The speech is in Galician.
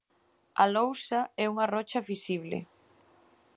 A lousa é unha rocha fisible.